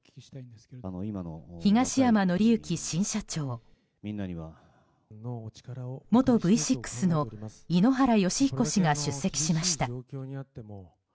東山紀之新社長元Ｖ６の井ノ原快彦氏が出席しました。